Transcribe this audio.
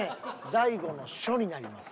大悟の書になります。